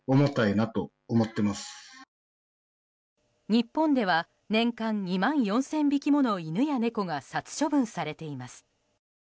日本では年間２万４０００匹もの犬や猫が殺処分されています。